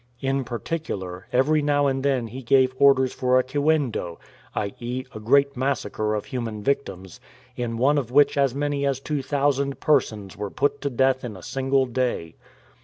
In particular, every now and then he gave orders for a hiwendo, i.e. a great massacre of human victims, in one of which as many as 2,000 persons were put to death in a single day.